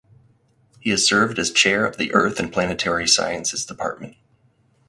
He has served as chair of the Earth and Planetary Sciences Department.